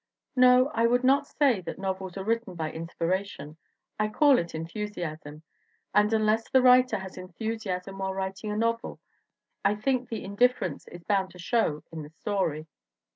"No, I would not say that novels are written by inspiration. I call it enthusiasm. And unless the writer has enthusiasm while writing a novel I think the indifference is bound to show in the story."